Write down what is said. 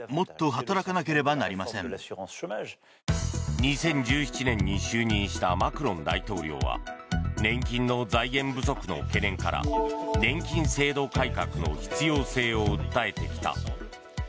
２０１７年に就任したマクロン大統領は年金の財源不足の懸念から年金制度改革の必要性を訴えてきた。